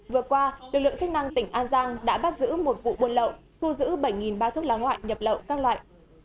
vừa qua lực lượng chức năng tỉnh an giang đã bắt giữ một vụ buôn lậu thu giữ bảy bao thuốc lá ngoại nhập lậu các loại